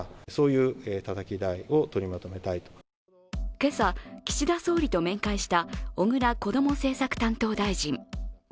今朝、岸田総理と面会した小倉こども政策担当大臣。